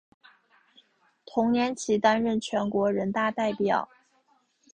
同年起担任全国人大代表。